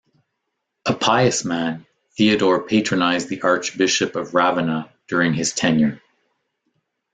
A pious man, Theodore patronized the Archbishop of Ravenna during his tenure.